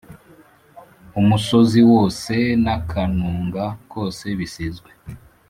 umusozi wose n’akanunga kose bisizwe,